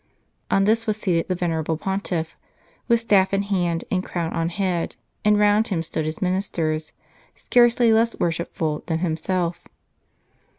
On this was seated the venerable Pontiff, with staff in hand, and crown on head, and round him stood his ministers, scarcely less worshipful than himself.